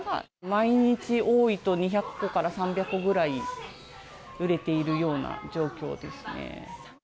毎日多いと２００個から３００個ぐらい、売れているような状況ですね。